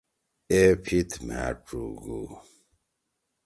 اے پھیِت مھأ ڇُوگُو۔